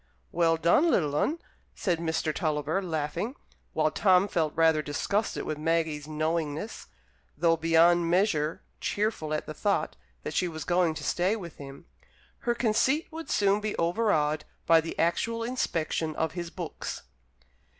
"Well done, little 'un," said Mr. Tulliver, laughing, while Tom felt rather disgusted with Maggie's knowingness, though beyond measure cheerful at the thought that she was going to stay with him. Her conceit would soon be overawed by the actual inspection of his books.